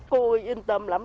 cô yên tâm lắm